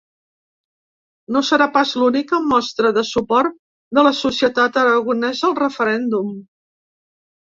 No serà pas l’única mostra de suport de la societat aragonesa al referèndum.